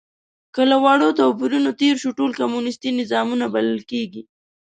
که له وړو توپیرونو تېر شو، ټول کمونیستي نظامونه بلل کېږي.